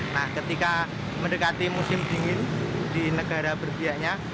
nah ketika mendekati musim dingin di negara berbiaknya